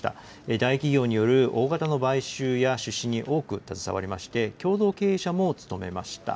大企業による大型の買収や出資に多く携わりまして、共同経営者も務めました。